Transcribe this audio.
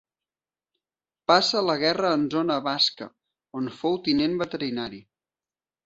Passa la guerra en zona basca, on fou tinent veterinari.